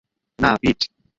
না, পিট!